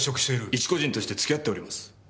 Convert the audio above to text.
一個人として付き合っております。